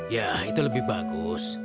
ya itu lebih bagus